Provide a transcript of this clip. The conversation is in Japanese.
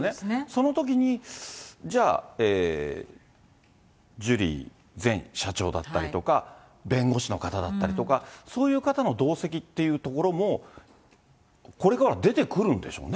そのときにじゃあ、ジュリー前社長だったりとか、弁護士の方だったりとか、そういう方の同席っていうところも、これから出てくるんでしょうね。